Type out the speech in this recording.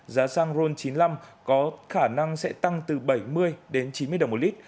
giá xăng ron chín mươi năm có khả năng sẽ tăng từ bảy mươi đến chín mươi đồng một lít